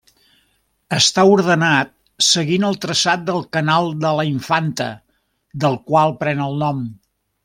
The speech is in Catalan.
Està ordenat seguint el traçat del Canal de la Infanta, del qual pren el nom.